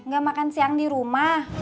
gak makan siang di rumah